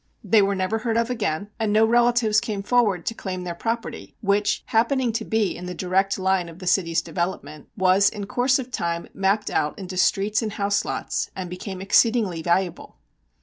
They were never heard of again, and no relatives came forward to claim their property, which, happening to be in the direct line of the city's development, was in course of time mapped out into streets and house lots and became exceedingly valuable.